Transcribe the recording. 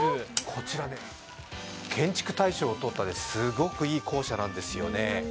こちら建築大賞をとったとてもいい校舎なんですよね。